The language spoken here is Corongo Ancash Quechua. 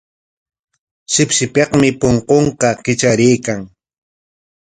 Shipshipikmi punkunqa kitraraykan.